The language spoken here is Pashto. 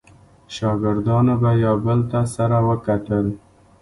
شاګردانو به یو بل ته سره وکتل.